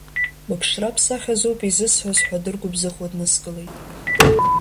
Быԥшра-бсахьа азоуп изысҳәаз ҳәа дыргәыбзыӷуа дныскылеит.